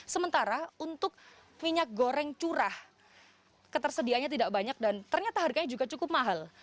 sementara untuk minyak goreng curah ketersediaannya tidak banyak dan ternyata harganya juga cukup mahal